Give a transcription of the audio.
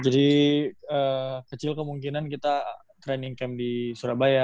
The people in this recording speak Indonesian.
jadi kecil kemungkinan kita training camp di surabaya